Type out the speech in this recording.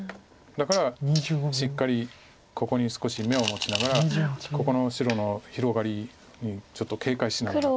だからしっかりここに少し眼を持ちながらここの白の広がりちょっと警戒しながら。